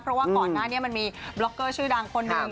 เพราะว่าก่อนหน้านี้มันมีบล็อกเกอร์ชื่อดังคนหนึ่ง